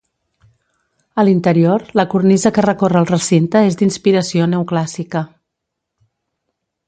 A l'interior, la cornisa que recorre el recinte és d'inspiració neoclàssica.